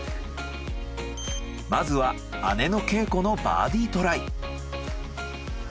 まずは姉の啓子のバーディートライ。